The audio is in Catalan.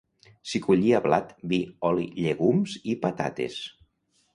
S'hi collia blat, vi, oli, llegums i patates.